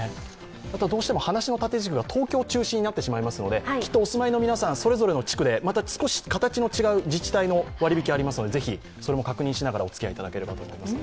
どうしても話の縦軸が東京中心になってしますので、きっとお住まいの皆さんそれぞれの地区で形の違う自治体の割引きがありますので確認しながらお付き合いいただければと思います。